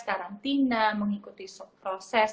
karantina mengikuti proses